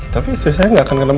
tapi istri saya nggak akan kenal